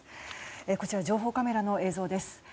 こちら、情報カメラの映像です。